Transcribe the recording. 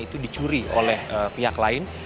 itu dicuri oleh pihak lain